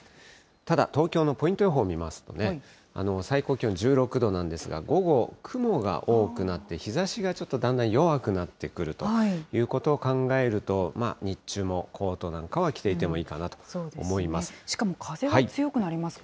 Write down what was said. ただ、東京のポイント予報見ますとね、最高気温１６度なんですが、午後、雲が多くなって、日ざしがちょっとだんだん弱くなってくるということを考えると、日中もコートなんかは着ていてもいいかなしかも風が強くなりますか。